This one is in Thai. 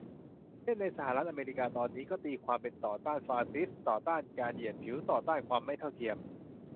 เช่นในสหรัฐอเมริกาตอนนี้ ก็ตีความเป็น ต่อต้านฟาสซิสต์ ต่อต้านการเหยียดผิว ต่อต้านความไม่เท่าเทียม